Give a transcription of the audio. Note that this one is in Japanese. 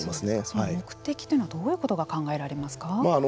その目的というのはどういうことが考えられますか。